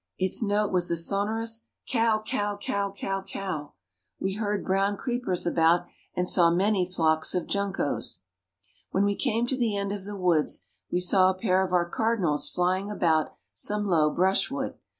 Its note was a sonorous cow cow cow cow cow. We heard brown creepers about, and saw many flocks of juncos. When we came to the end of the woods we saw a pair of our cardinals flying about some low brushwood.